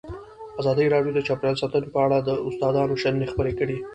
ازادي راډیو د چاپیریال ساتنه په اړه د استادانو شننې خپرې کړي.